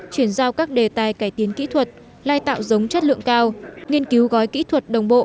chuyển giao các đề tài cải tiến kỹ thuật lai tạo giống chất lượng cao nghiên cứu gói kỹ thuật đồng bộ